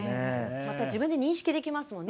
また自分で認識できますもんね